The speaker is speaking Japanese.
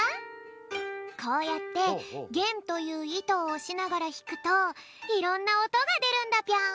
こうやってげんといういとをおしながらひくといろんなおとがでるんだぴょん。